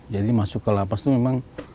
jadi masuk ke lapas itu memang